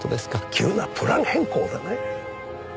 急なプラン変更でね。